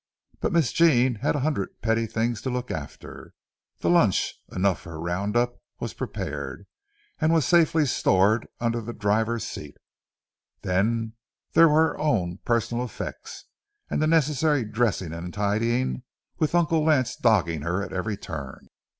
But Miss Jean had a hundred petty things to look after. The lunch—enough for a round up—was prepared, and was safely stored under the driver's seat. Then there were her own personal effects and the necessary dressing and tidying, with Uncle Lance dogging her at every turn.